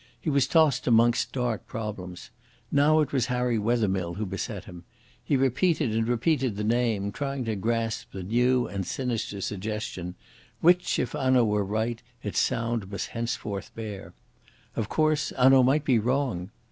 He was tossed amongst dark problems. Now it was Harry Wethermill who beset him. He repeated and repeated the name, trying to grasp the new and sinister suggestion which, if Hanaud were right, its sound must henceforth bear. Of course Hanaud might be wrong.